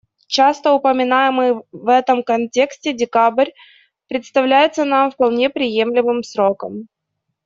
Часто упоминаемый в этом контексте декабрь представляется нам вполне приемлемым сроком.